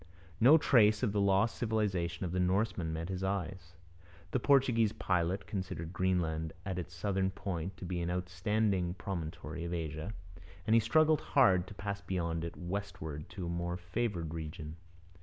No trace of the lost civilization of the Norsemen met his eyes. The Portuguese pilot considered Greenland at its southern point to be an outstanding promontory of Asia, and he struggled hard to pass beyond it westward to a more favoured region.